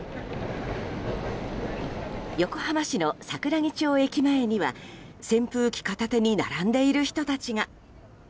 横浜市の桜木町駅前には扇風機片手に並んでいる人たちが。